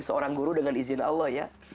seorang guru dengan izin allah ya